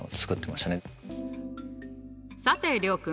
さて諒君。